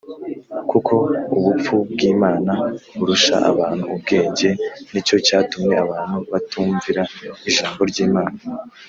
kuko ubupfu bw Imana burusha abantu ubwenge nicyo cyatumye abantu batumvira ijambo ry’imana